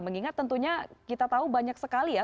mengingat tentunya kita tahu banyak sekali ya